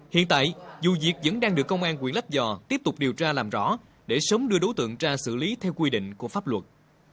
hiện tại vụ việc vẫn đang được công an quyện lắp giò tiếp tục điều tra làm rõ để sớm đưa đối tượng ra xử lý theo quy định của pháp luật